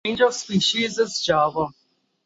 The range of the species is Java.